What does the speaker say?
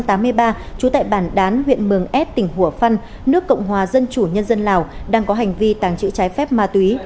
trú tại bản đán huyện mường ảd tỉnh hủa phăn nước cộng hòa dân chủ nhân dân lào đang có hành vi tàng trữ trái phép ma túy